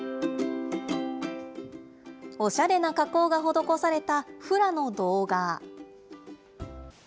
おしゃれな加工が施されたフラの動画。